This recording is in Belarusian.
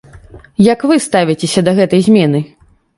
Як вы ставіцеся да гэтай змены?